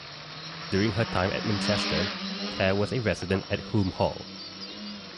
During her time at Manchester Clare was a resident at Hulme Hall.